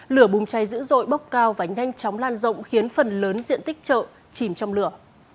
lửa bùng cháy dữ dội bốc cao và nhanh chóng lan rộng khiến phần lớn diện tích chợ chìm trong lửa